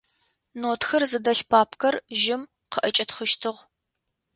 Нотэхэр зыдэлъ папкэр жьым къыӏэкӏитхъыщтыгъ.